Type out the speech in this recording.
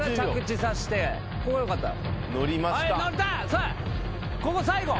さぁここ最後！